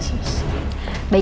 ter muy agora